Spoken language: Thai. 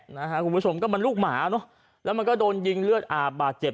นะฮะคุณผู้ชมก็มันลูกหมาเนอะแล้วมันก็โดนยิงเลือดอาบบาดเจ็บ